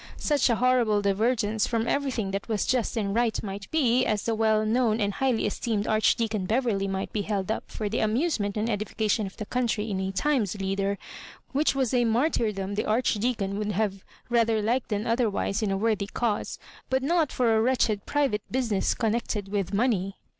Such a hor rible divergence from everything that was just and right might be, as that the well known and highly esteemed Archdeacon Beverley might be held up for the amusement and edification of the country in a * Times' leader, which was a martyr dom the Archdeacon 'would have rather liked than otherwise in a worthy cause, but not for a wretched private business connected with money.